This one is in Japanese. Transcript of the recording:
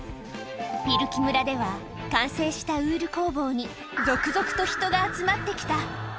ピルキ村では完成したウール工房に続々と人が集まってきた。